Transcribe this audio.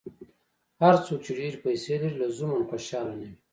هر څوک چې ډېرې پیسې لري، لزوماً خوشاله نه وي.